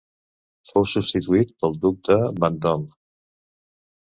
Fou substituït pel Duc de Vendôme.